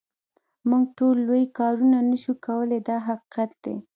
موږ ټول لوی کارونه نه شو کولای دا حقیقت دی.